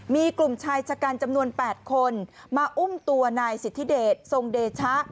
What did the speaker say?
มีกลุ่มชายชะกันจำนวน๘คนมาอุ้มตัวนายสิทธิเดชทรงเดชะ